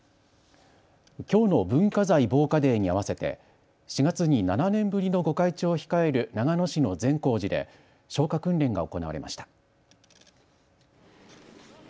きょうの文化財防火デーに合わせて４月に７年ぶりのご開帳を控える長野市の善光寺で消火訓練が行われました。